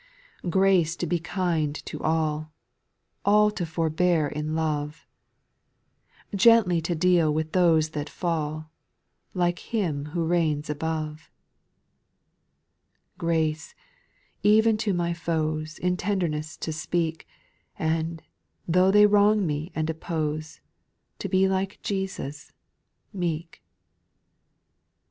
) 6. / Grace to be kind to all ; All to forbear in love ; Gently to deal with those that fall, Like Him who reigns above. ) 7. ^' Grace, even to my foes. In tenderness to speak, And, tho' they wrong me and oppose, To be like Jesus — meek. .* 8.